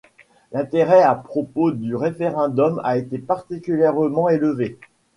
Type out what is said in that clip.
L'intérêt a propos du référendum a été particulièrement élevé.